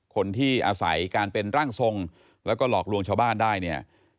คนที่อาศัยการเป็นร่างทรงแล้วก็หลอกลวงชาวบ้านได้เนี่ย